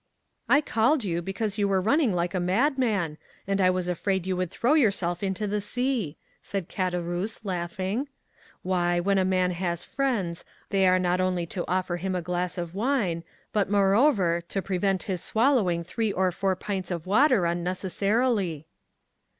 "I called you because you were running like a madman, and I was afraid you would throw yourself into the sea," said Caderousse, laughing. "Why, when a man has friends, they are not only to offer him a glass of wine, but, moreover, to prevent his swallowing three or four pints of water unnecessarily!"